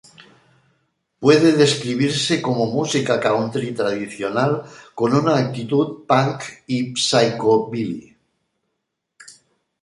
Puede describirse como música country tradicional con una actitud punk y psychobilly.